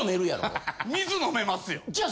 水飲めますよ！